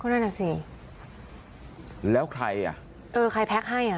นั่นอ่ะสิแล้วใครอ่ะเออใครแพ็คให้อ่ะ